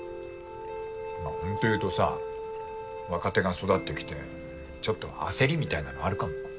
まあホント言うとさ若手が育ってきてちょっと焦りみたいなのあるかも。